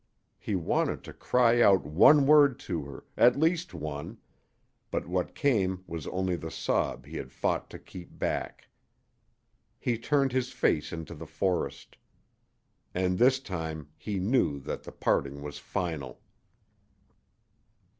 He wanted to cry out one word to her at least one but what came was only the sob he had fought to keep back. He turned his face into the forest. And this time he knew that the parting was final.